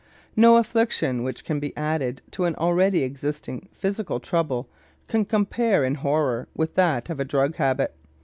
No affliction which can be added to an already existing physical trouble can compare in horror with that of a drug habit.